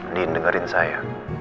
nin dengerin saya